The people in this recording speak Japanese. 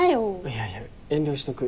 いやいや遠慮しとく。